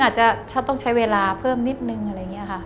อาจจะต้องใช้เวลาเพิ่มนิดนึงอะไรอย่างนี้ค่ะ